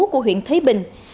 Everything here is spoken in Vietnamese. của huyện thấy bình